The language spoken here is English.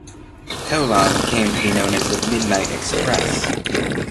Tolan came to be known as the "Midnight Express".